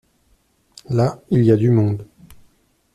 Là, il y a du monde.